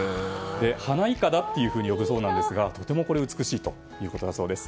花いかだというふうに呼ぶそうですがとても美しいということだそうです。